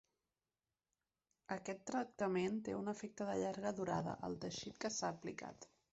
Aquest tractament té un efecte de llarga durada al teixit que s'ha aplicat.